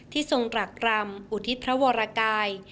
ทรงกรรักกรรมอุทิศพระวรกาย